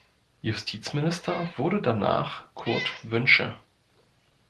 Justizminister wurde danach Kurt Wünsche.